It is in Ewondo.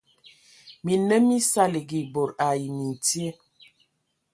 Minnǝm mí saligi bod ai mintye,